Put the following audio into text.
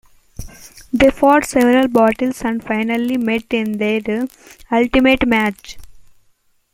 They fought several battles, and finally met in their ultimate match.